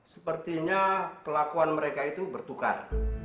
sepertinya kelakuan mereka itu bertukar